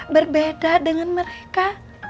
berbeda dengan mereka